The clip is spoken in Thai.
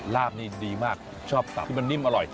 ลาบนี่ดีมากชอบสับที่มันนิ่มอร่อย